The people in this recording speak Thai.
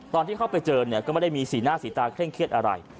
ตอนที่เข้าไปเจอเนี่ยก็ไม่ได้มีสีหน้าสีตาเคร่งเครียดอะไร